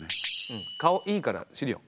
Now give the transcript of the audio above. うん顔いいから資料。